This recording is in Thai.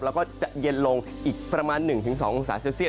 แล้วก็จะเย็นลงอีกประมาณ๑๒องศาเซลเซียต